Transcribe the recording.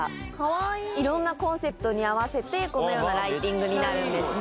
いろんなコンセプトに合わせてこのようなライティングになるんですね。